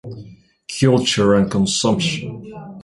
Culture and Consumption.